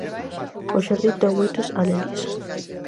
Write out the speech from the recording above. O xardín ten moitos alelís.